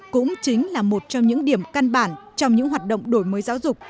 cũng chính là một trong những điểm căn bản trong những hoạt động đổi mới giáo dục